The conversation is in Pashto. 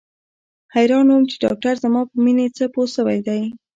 حيران وم چې ډاکتر زما په مينې څه پوه سوى دى.